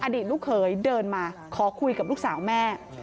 อดีตลูกเขยเดินมาขอคุยกับลูกสาวแม่